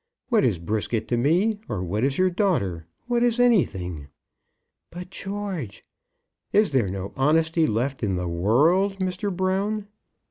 What is Brisket to me, or what is your daughter? What is anything?" "But, George " "Is there no honesty left in the world, Mr. Brown?